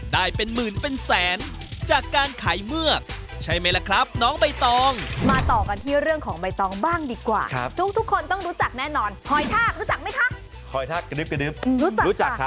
เดี๋ยวใจเย็นเกลียวอะไรขึ้นคะ